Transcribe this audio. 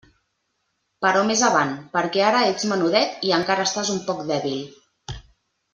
Però més avant, perquè ara ets menudet i encara estàs un poc dèbil.